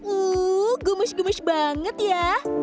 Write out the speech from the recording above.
uh gumus gumus banget ya